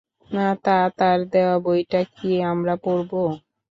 তা, তার দেয়া বইটা কি আমরা পড়বো?